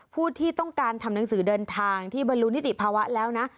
ผู้ที่ต้องการทำหนังสือเดินทางที่บรรลุนิติภาวะแล้วนะ